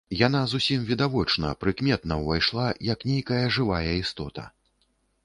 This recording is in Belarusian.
Яна зусім відочна, прыметна ўвайшла, як нейкая жывая істота.